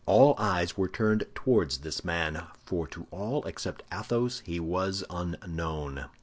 All eyes were turned towards this man—for to all except Athos he was unknown.